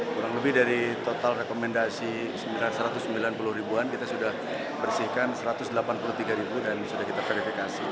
kurang lebih dari total rekomendasi satu ratus sembilan puluh ribuan kita sudah bersihkan satu ratus delapan puluh tiga ribu dan sudah kita verifikasi